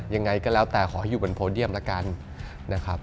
ยังไงก็แล้วแต่ขอให้อยู่บนโพเดียมแล้วกัน